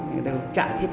người thợ đục trạng hết